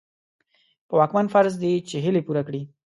په واکمن فرض دي چې هيلې پوره کړي.